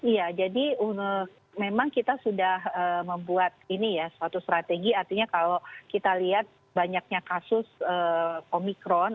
iya jadi memang kita sudah membuat ini ya suatu strategi artinya kalau kita lihat banyaknya kasus omikron